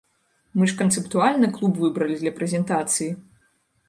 Мы ж канцэптуальна клуб выбралі для прэзентацыі!